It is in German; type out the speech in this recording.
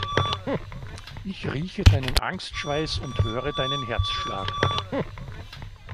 Ich rieche deinen Angstschweiß und höre deinen Herzschlag.